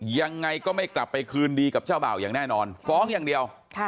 ยังไงก็ไม่กลับไปคืนดีกับเจ้าบ่าวอย่างแน่นอนฟ้องอย่างเดียว